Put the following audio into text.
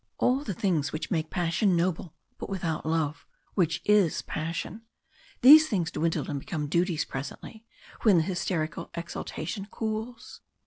All the things which make passion noble but without love which is passion these things dwindle and become duties presently, when the hysterical exaltation cools.